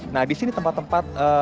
nah di sini tempat tempat